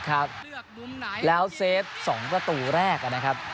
ครับแล้วเซฟ๒ประตูแรกนะครับ